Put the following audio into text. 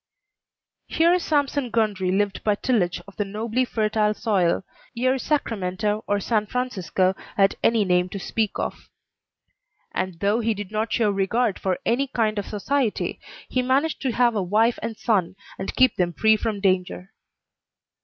Here Sampson Gundry lived by tillage of the nobly fertile soil ere Sacramento or San Francisco had any name to speak of. And though he did not show regard for any kind of society, he managed to have a wife and son, and keep them free from danger.